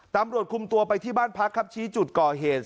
ตำรวจคุมตัวไปที่บ้านพักครับชี้จุดก่อเหตุ